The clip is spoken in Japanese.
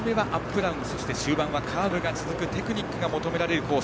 ダウンそして終盤はカーブが続くテクニックが求められるコース。